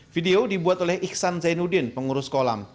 video dibuat oleh iksan zainuddin pengurus kolam